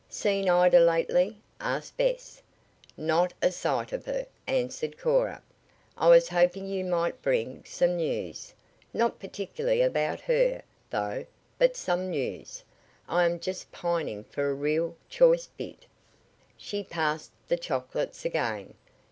"Seen Ida lately?" asked Bess. "Not a sight of her," answered Cora. "I was hoping you might bring some news not particularly about her, though, but some news. I am just pining for a real, choice bit." She passed the chocolates again.